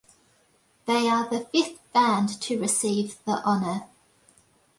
They are the fifth band to receive the honour.